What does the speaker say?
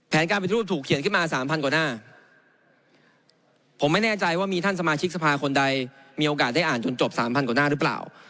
การปฏิรูปถูกเขียนขึ้นมาสามพันกว่าหน้าผมไม่แน่ใจว่ามีท่านสมาชิกสภาคนใดมีโอกาสได้อ่านจนจบสามพันกว่าหน้าหรือเปล่า